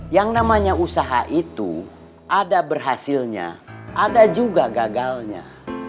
yang namanya usaha itu ada berhasilnya ada juga gagalnya